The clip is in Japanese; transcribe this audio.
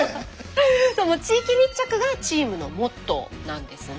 地域密着がチームのモットーなんですね。